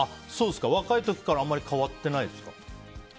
若い時からあまり変わってないですか？